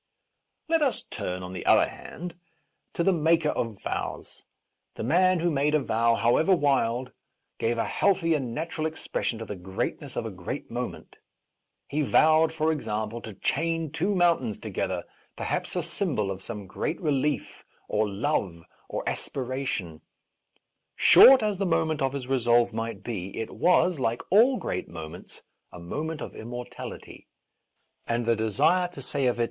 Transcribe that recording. Let us turn, on the other hand, to the maker of vows. The man who made a vow, however wild, gave a healthy and natural expression to the greatness of a great moment. He vowed, for example, to chain two mountains together, perhaps a symbol of some great relief, or love, or A Defence of Rash Vows aspiration. Short as the moment of his resolve might be, it was, like all great mo ^ ments, a moment of immortality, and the desire to say of.